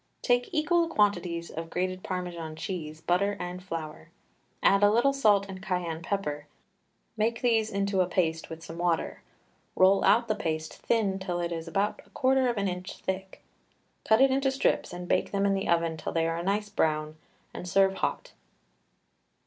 Take equal quantities of grated Parmesan cheese, butter, and flour; add a little salt and cayenne pepper, make these into a paste with some water, roll out the paste thin till it is about a quarter of an inch thick; cut it into strips and bake them in the oven till they are a nice brown, and serve hot.